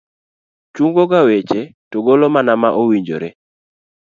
chungo ga weche to golo mana ma owinjore.